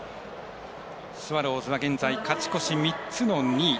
スワローズは現在勝ち越し３つの２位。